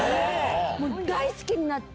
もう大好きになって。